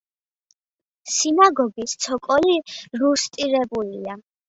სინაგოგის ცოკოლი რუსტირებულია.